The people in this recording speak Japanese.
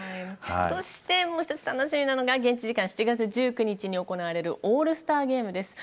そしてもう一つ楽しみなのが現地時間７月１９日に行われるオールスターゲームです。